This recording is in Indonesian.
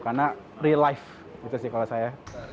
karena real life gitu sih kalau saya